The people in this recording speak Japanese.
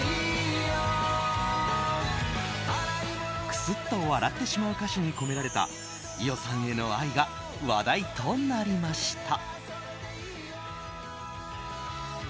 クスッと笑ってしまう歌詞に込められた伊代さんへの愛が話題となりました。